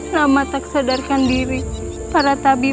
lama tak sadarkan diri para tabib